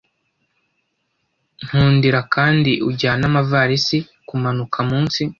Nkundira kandi ujyane amavalisi kumanuka munsi.